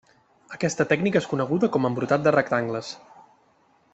Aquesta tècnica és coneguda com embrutat de rectangles.